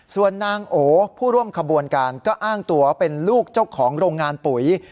ส่วนนางโอผู้ร่วมขบวนการก็อ้างตัวเป็นลูกเจ้าของโรงงานปุ๋ย